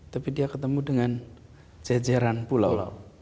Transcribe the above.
tapi dia ketemu dengan jejeran pulau